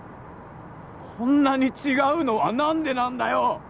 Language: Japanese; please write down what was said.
こんなに違うのは何でなんだよ？